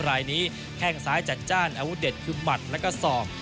รายนี้แข้งซ้ายจัดจ้านอาวุธเด็ดคือหมัดแล้วก็ศอก